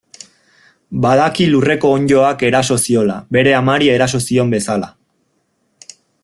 Badaki lurreko onddoak eraso ziola, bere amari eraso zion bezala.